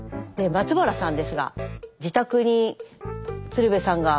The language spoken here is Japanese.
松原さんですが自宅に鶴瓶さんが。